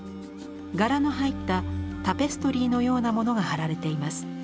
柄の入ったタペストリーのようなものが貼られています。